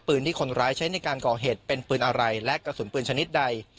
ที่คนร้ายใช้ในการก่อเหตุเป็นปืนอะไรและกระสุนปืนชนิดใด